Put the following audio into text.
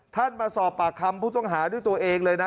มาสอบปากคำผู้ต้องหาด้วยตัวเองเลยนะ